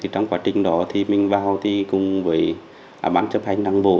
trong quá trình đó mình vào cùng với bán chấp hành năng bộ